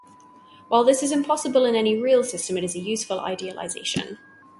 While this is impossible in any real system, it is a useful idealisation.